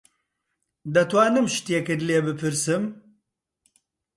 دەتوانم شتێکت لێ بپرسم؟